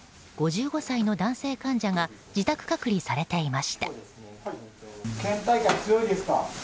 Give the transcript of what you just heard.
５５歳の男性患者が自宅隔離されていました。